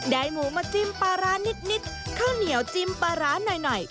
หมูมาจิ้มปลาร้านิดข้าวเหนียวจิ้มปลาร้าหน่อย